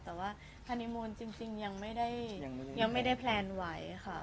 แต่ว่าฮานิมูนจริงยังไม่ได้แพลนไหวค่ะ